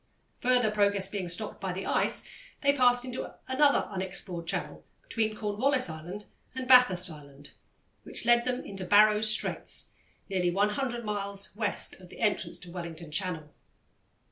Further progress being stopped by the ice, they passed into another unexplored channel between Cornwallis Island and Bathurst Island which led them into Barrow's Straits, nearly 100 miles west of the entrance to Wellington Channel.